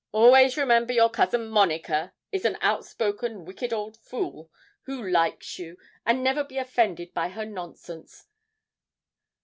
'Always remember your cousin Monica is an outspoken, wicked old fool, who likes you, and never be offended by her nonsense.